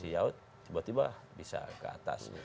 ya tiba tiba bisa ke atas